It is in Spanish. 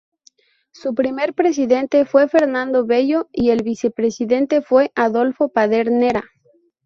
Su primer presidente fue Fernando Bello y el vicepresidente fue Adolfo Pedernera.